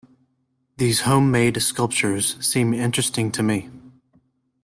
These home-made sculptures seem interesting to me.